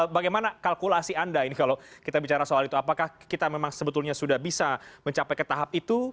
bagaimana kalkulasi anda ini kalau kita bicara soal itu apakah kita memang sebetulnya sudah bisa mencapai ke tahap itu